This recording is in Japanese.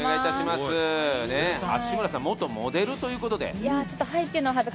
芦村さん、元モデルということで。